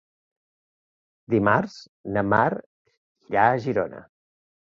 Dimarts na Mar irà a Girona.